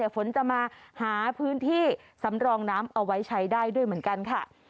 ฝนจะมาหาพื้นที่สำรองน้ำเอาไว้ใช้ได้ด้วยเหมือนกันค่ะ